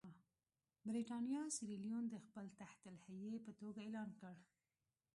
برېټانیا سیریلیون د خپل تحت الحیې په توګه اعلان کړ.